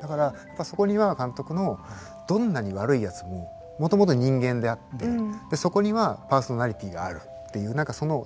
だからやっぱそこには監督のどんなに悪いやつももともと人間であってでそこにはパーソナリティーがあるっていう何かその。